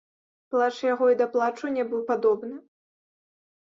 Плач яго і да плачу не быў падобны.